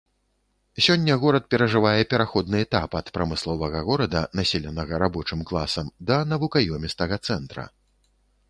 Сёння горад перажывае пераходны этап ад прамысловага горада, населенага рабочым класам, да навукаёмістага цэнтра.